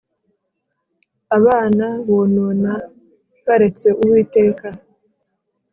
, abana bonona baretse Uwiteka,